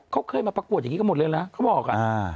เขาเคยมาประกวดอย่างนี้กันหมดเลยนะเขาบอกอ่ะ